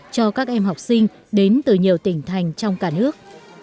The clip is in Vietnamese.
cho các em học sinh đến từ nhiều tỉnh thành trong cả nước